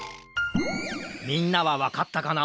みんなはわかったかな？